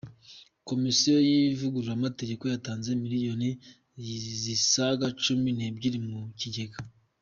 Komisiyo y’ivugururamategeko yatanze miliyoni zisaga Cumi Nebyiri mu Cyigega